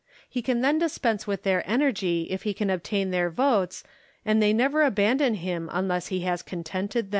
He can dis pense with their energy if he can obtain their votes, and they never abandon him unless he has contented them.